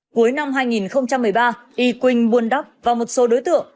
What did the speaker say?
cuối năm hai nghìn một mươi ba y quynh buôn đắc và một số đối tượng